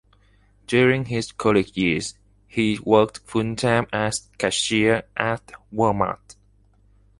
During his college years, he worked full-time as a cashier at Wal-Mart.